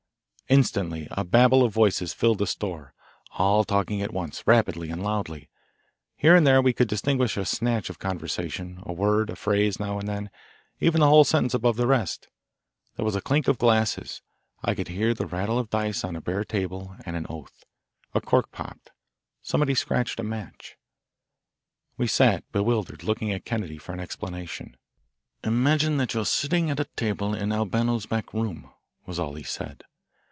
Instantly a babel of voices filled the store, all talking at once, rapidly and loudly. Here and there we could distinguish a snatch of conversation, a word, a phrase, now and then even a whole sentence above the rest. There was the clink of glasses. I could hear the rattle of dice on a bare table, and an oath. A cork popped. Somebody scratched a match. We sat bewildered, looking at Kennedy for an explanation. "Imagine that you are sitting at a table in Albano's back room," was all he said.